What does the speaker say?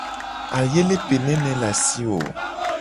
Ayele pe nene ye le asi wo ?